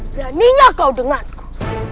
beraninya kau denganku